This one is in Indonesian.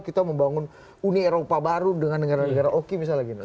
kita membangun uni eropa baru dengan negara negara oki misalnya